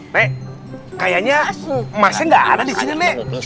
nek kayaknya emasnya nggak ada di sini nek